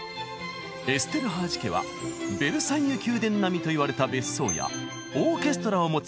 エステルハージ家はベルサイユ宮殿並みといわれた別荘やオーケストラを持つ大金持ち！